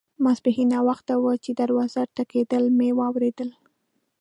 ماپښین ناوخته وو چې د دروازې ټکېدل مې واوریدل.